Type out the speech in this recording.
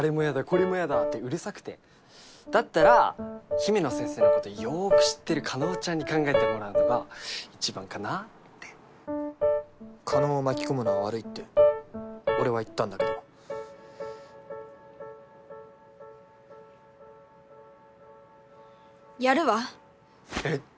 これも嫌だってうるさくてだったら姫乃先生のことよーく知ってる叶ちゃんに考えてもらうのが一番かなって叶を巻き込むのは悪いって俺は言ったんだけどやるわえっ？